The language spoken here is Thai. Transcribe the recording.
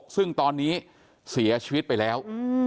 ซึ่งตอนนี้เสียชีวิตไปแล้ว